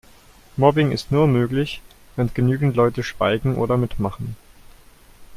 Mobbing ist nur möglich, wenn genügend Leute schweigen oder mitmachen.